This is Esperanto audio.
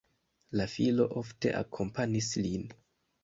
La filo ofte akompanis lin.